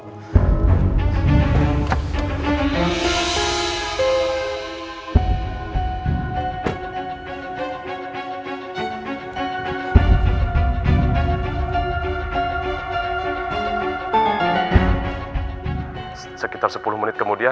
dan saat berhenti saya